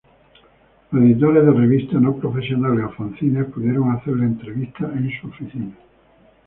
Los editores de revistas no profesionales o fanzines pudieron hacerle entrevistas en su oficina.